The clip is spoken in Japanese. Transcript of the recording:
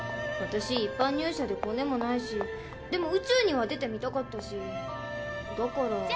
私一般入社でコネもないしでも宇宙には出てみたかったしだから。